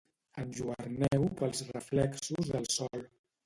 Enlluerneu pels reflexos del sol.